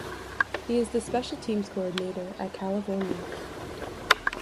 He is the special teams coordinator at California.